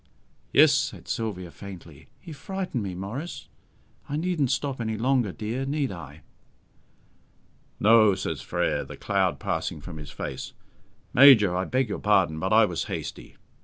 "Yes," said Sylvia faintly, "he frightened me, Maurice. I needn't stop any longer, dear, need I?" "No," says Frere, the cloud passing from his face. "Major, I beg your pardon, but I was hasty.